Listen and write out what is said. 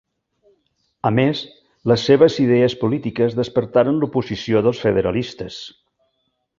A més, les seves idees polítiques despertaren l'oposició dels federalistes.